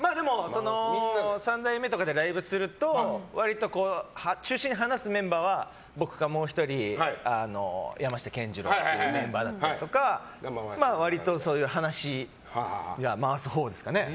三代目とかでライブすると中心で話すメンバーは僕かもう１人の山下健二郎というメンバーだったりとか割と、話を回すほうですかね。